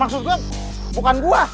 maksud gue bukan gua